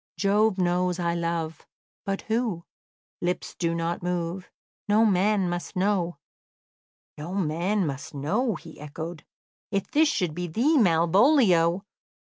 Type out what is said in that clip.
"Jove knows I love: But who? Lips do not move; No man must know." "'No man must know,'" he echoed. "If this should be thee, Malvolio!"